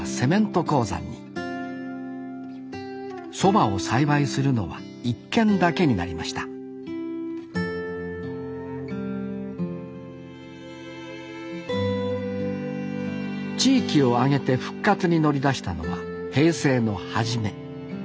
そばを栽培するのは１軒だけになりました地域を挙げて復活に乗り出したのは平成の初め。